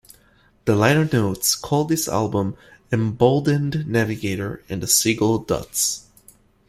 The liner notes call this album Emboldened Navigator and the Seagull Dots.